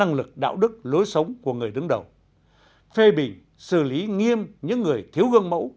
năng lực đạo đức lối sống của người đứng đầu phê bình xử lý nghiêm những người thiếu gương mẫu